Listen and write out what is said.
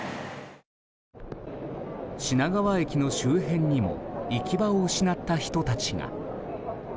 品川駅の周辺にも行き場を失った人たちが。